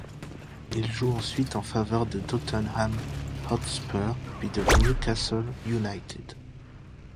Il joue ensuite en faveur de Tottenham Hotspur puis de Newcastle United.